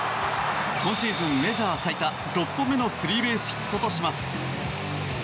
今シーズンメジャー最多６個目のスリーベースヒットとします。